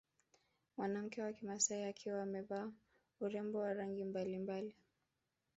Mwanamke wa kimasai akiwa amevaa urembo wa rangi mbalimbali